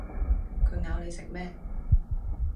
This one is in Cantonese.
佢咬你食咩